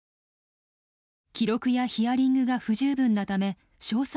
記録やヒアリングが不十分なため詳細